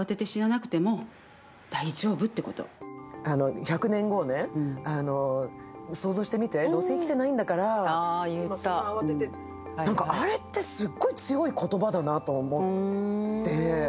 １００年後想像してみて、どうせ生きてないんだからあれってすっごい強い言葉だなと思って。